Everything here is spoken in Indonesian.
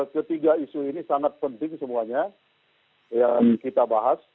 ketiga isu ini sangat penting semuanya yang kita bahas